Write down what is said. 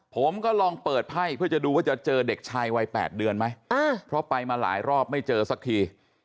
ผมก็ลองเปิดไพ่เพื่อจะดูว่าจะเจอเด็กชายวัย๘เดือนไหมเพราะไปมาหลายรอบไม่เจอสักที